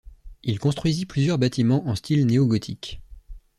Il construisit plusieurs bâtiments en style néogothique.